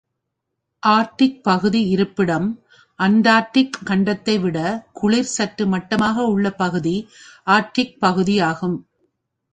Arctic பகுதி இருப்பிடம் Antarctic கண்டத்தைவிடக் குளிர் சற்று மட்டாக உள்ள பகுதி ஆர்க்டிக் பகுதி ஆகும்.